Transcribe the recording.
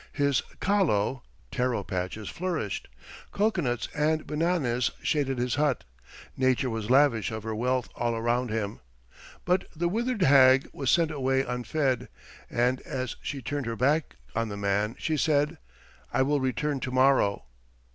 His kalo (taro) patches flourished, cocoanuts and bananas shaded his hut, nature was lavish of her wealth all around him. But the withered hag was sent away unfed, and as she turned her back on the man she said, 'I will return to morrow.'